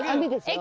え！